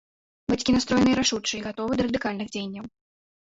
Бацькі настроеныя рашуча і гатовыя да радыкальных дзеянняў.